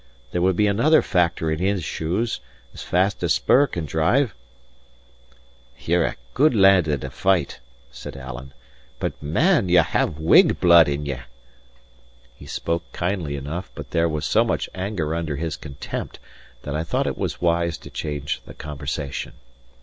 There would be another factor in his shoes, as fast as spur can drive." "Ye're a good lad in a fight," said Alan; "but, man! ye have Whig blood in ye!" He spoke kindly enough, but there was so much anger under his contempt that I thought it was wise to change the conversation.